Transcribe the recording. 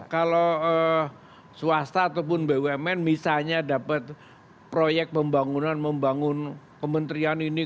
kalau swasta ataupun bumn misalnya dapat proyek pembangunan membangun kementerian ini